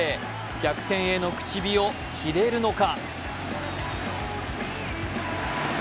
逆転への口火を切れるのか。